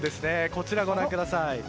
こちらご覧ください。